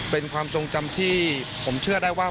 เป็นความทรงจำที่ผมเชื่อได้ว่า